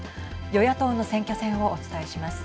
与野党の選挙戦をお伝えします。